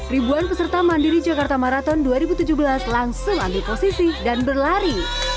ribuan peserta mandiri jakarta marathon dua ribu tujuh belas langsung ambil posisi dan berlari